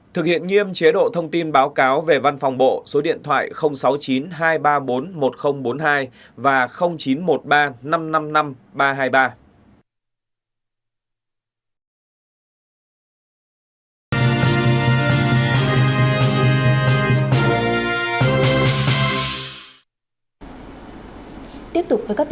thực hiện nghiêm chế độ thông tin báo cáo về văn phòng bộ số điện thoại sáu mươi chín hai trăm ba mươi bốn một nghìn bốn mươi hai và chín trăm một mươi ba năm trăm năm mươi năm ba trăm hai mươi ba